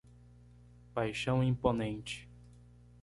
Paixão imponente